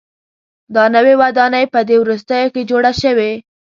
دا نوې ودانۍ په دې وروستیو کې جوړه شوې.